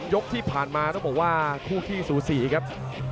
ยกที่ผ่านมาต้องบอกว่าคู่ขี้สูสีครับ